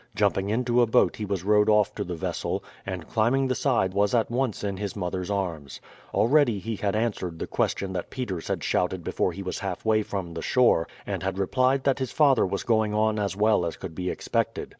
Jumping into a boat he was rowed off to the vessel, and climbing the side was at once in his mother's arms. Already he had answered the question that Peters had shouted before he was halfway from the shore, and had replied that his father was going on as well as could be expected.